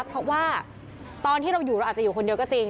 เพราะว่าตอนที่เราอยู่เราอาจจะอยู่คนเดียวก็จริง